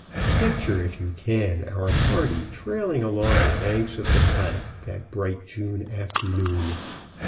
Picture if you can our party trailing along the banks of the Platte that bright June afternoon.